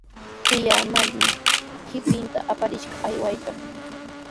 Tiyaa Mallimi qipinta aparishqa aywaykan.